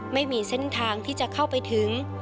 ไม่มีเส้นทางที่จะเข้าไปถึง